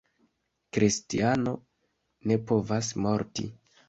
Kristiano ne povas morti.